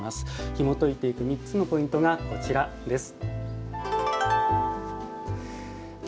ひもといていく３つのポイントがこちらです。